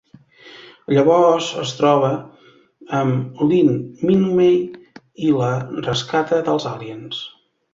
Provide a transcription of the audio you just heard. Llavors es troba amb Lynn Minmay i la rescata dels aliens.